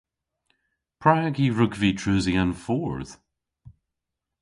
Prag y hwrug vy treusi an fordh?